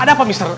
ada apa mister